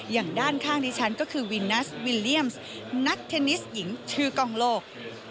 อย่างด้านข้างดิฉันก็คือวินัสวิลเลี่ยมส์นักเทนนิสหญิงชื่อกล้องโลก